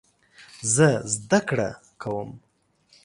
زه زده کړه کوم